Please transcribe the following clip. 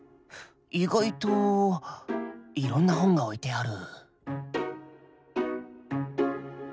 意外といろんな本が置いてある。